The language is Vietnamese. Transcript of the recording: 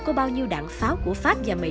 có bao nhiêu đạn pháo của pháp và mỹ